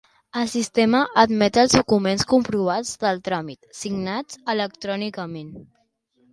El sistema emet els documents comprovants del tràmit, signats electrònicament.